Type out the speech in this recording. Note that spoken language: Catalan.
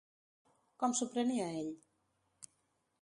Com s'ho prenia ell?